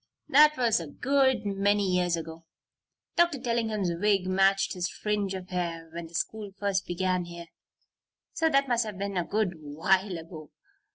That was a good many years ago. Dr. Tellingham's wig matched his fringe of hair when the school first began here, so that must have been a good while ago.